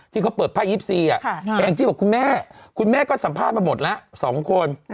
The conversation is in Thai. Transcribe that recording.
ที่เขาเปิดพ่ายิปซีแต่แองจี้บอกคุณแม่ก็สัมภาพมาหมดแล้ว๒คน